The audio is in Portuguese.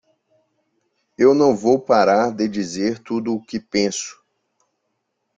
Eu não vou parar de dizer tudo o que penso.